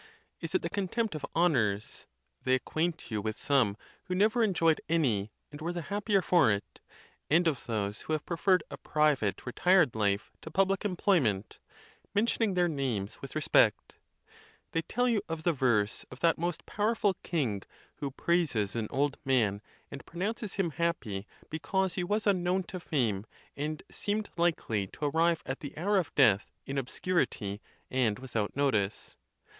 Is it the con tempt of honors? They acquaint you with some who never enjoyed any, and were the happier for it; and of those who have preferred a private retired life to public employment, mentioning their names with respect; they tell you of the verse' of that most powerful king who praises an old man, and pronounces him happy because he was unknown to fame and seemed likely to arrive at the hour of death in obscurity and without notice.